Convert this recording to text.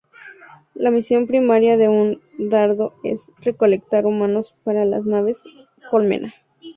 La misión primaria de un dardo es recolectar humanos para las naves colmena.